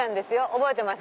覚えてます？